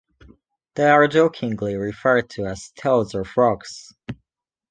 They are jokingly referred to as “toads” or “frogs”.